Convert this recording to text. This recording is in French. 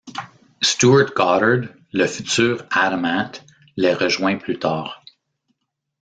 Stuart Goddard, le futur Adam Ant les rejoint plus tard.